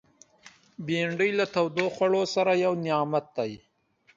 بېنډۍ له تودو خوړو سره یو نعمت دی